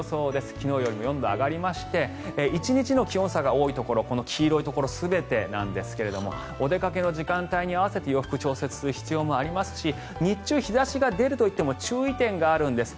昨日よりも４度上がりまして１日の気温差が多いところこの黄色いところ全てなんですけどお出かけの時間帯に合わせて洋服を調整する必要もありますし日中、日差しが出るといっても注意点があるんです。